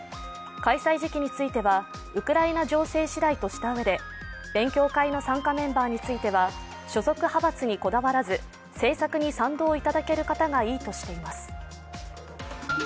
開催時期については、ウクライナ情勢しだいとしたうえで勉強会の参加メンバーについては所属派閥にこだわらず政策に賛同いただける方がいいとしています。